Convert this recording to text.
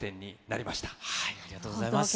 ありがとうございます。